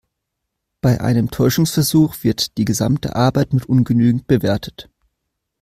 Bei einem Täuschungsversuch wird die gesamte Arbeit mit ungenügend bewertet.